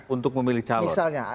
untuk memilih calon